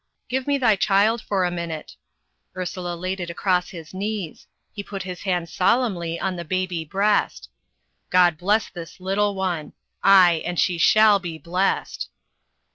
"Give me thy child for a minute." Ursula laid it across his knees; he put his hand solemnly on the baby breast. "God bless this little one! Ay, and she shall be blessed."